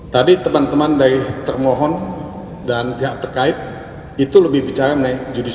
tadi teman teman dari termohon dan pihak terkait itu lebih bicara mengenai judicial